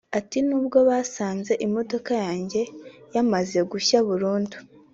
Ati “Nubwo basanzwe imodoka yanjye yamaze gushya burundu